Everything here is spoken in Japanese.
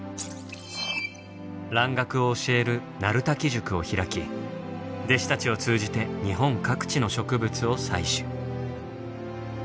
蘭学を教える鳴滝塾を開き弟子たちを通じて日本各地の植物を採取。